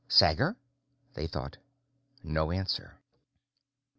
Sager? they thought. No answer.